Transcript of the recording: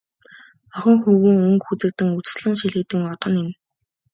Охин хөвүүн өнгө үзэгдэн, үзэсгэлэн шилэгдэн одох нь энэ.